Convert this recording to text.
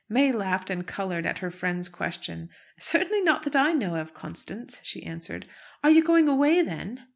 May laughed and coloured at her friend's question. "Certainly not that I know of, Constance," she answered. "Are you going away, then?"